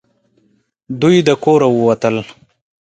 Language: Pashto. دوی د کوره ووتل .